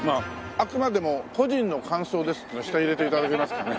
あくまでも個人の感想ですっていうの下に入れて頂けますかね？